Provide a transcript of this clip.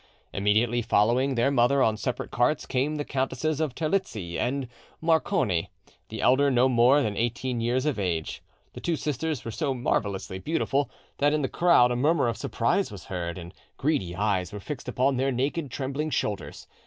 Immediately following their mother on separate carts came the Countesses of Terlizzi and Morcone, the elder no more than eighteen years of age. The two sisters were so marvellously beautiful that in the crowd a murmur of surprise was heard, and greedy eyes were fixed upon their naked trembling shoulders.